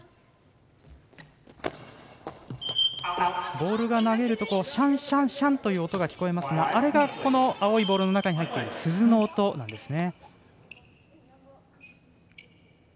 ボールを投げるとシャンシャンという音が聞こえますが、あればボールに入っている鈴の音なんですね。